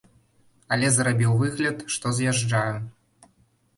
Але зрабіў выгляд, што з'язджаю.